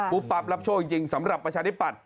ปั๊บรับโชคจริงสำหรับประชาธิปัตย